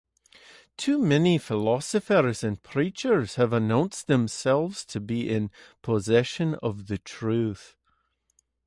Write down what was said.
Too many philosophers and preachers have announced themselves to be in possession of truth.